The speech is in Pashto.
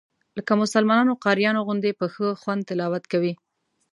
لکه مسلمانانو قاریانو غوندې په ښه خوند تلاوت کوي.